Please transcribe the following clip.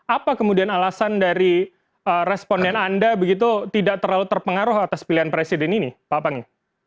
apa kemudian alasan dari responden anda begitu tidak terlalu terpengaruh atas pilihan presiden ini pak panggi